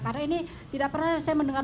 karena ini tidak pernah saya mendengar